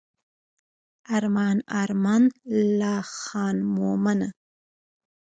ارمان ارمان لا خان مومنه.